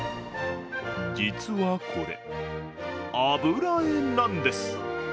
実はこれ、油絵なんです。